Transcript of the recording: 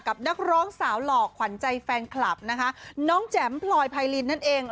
นักร้องสาวหล่อขวัญใจแฟนคลับนะคะน้องแจ๋มพลอยไพรินนั่นเอง